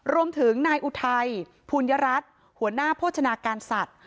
รวมถึงนายอุทัยภูญรัฐหัวหน้าโภชนาการสัตว์